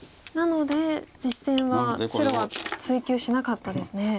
なので実戦は白は追及しなかったですね。